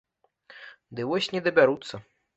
Ды вось не дабяруцца.